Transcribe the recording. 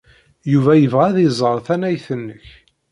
Yuba yebɣa ad iẓer tannayt-nnek.